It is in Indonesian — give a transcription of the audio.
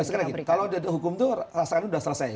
sekali lagi kalau ada hukum itu rasa keadilan itu sudah selesai